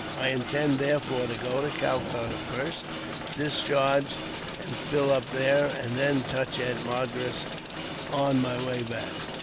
I intend, therefore, to go to Calcutta first, discharge and fill up there, and then touch at Madras on my way back.